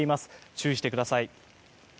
注意してください。